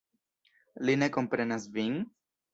Li ne komprenas vin?